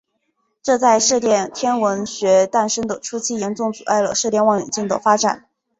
这在射电天文学诞生的初期严重阻碍了射电望远镜的发展。